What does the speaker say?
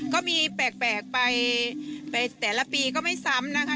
ก็มีแปลกไปแต่ละปีก็ไม่ซ้ำนะคะ